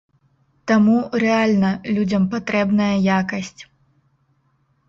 Таму рэальна людзям патрэбная якасць.